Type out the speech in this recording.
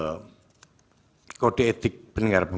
dengan udang udang yang dilakukan pelancong teman teman